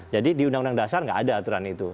jadi di undang undang dasar nggak ada aturan itu